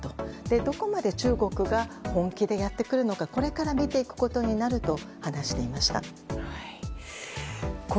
どこまで中国が本気でやってくるのかこれから見ていくことになると話していました。